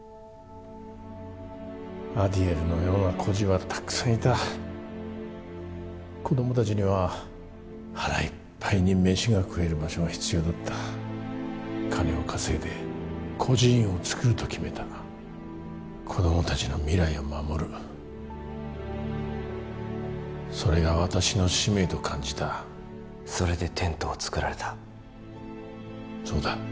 アディエルのような孤児はたくさんいた子供達には腹いっぱいに飯が食える場所が必要だった金を稼いで孤児院をつくると決めた子供達の未来を守るそれが私の使命と感じたそれでテントをつくられたそうだ